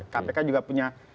kpk juga punya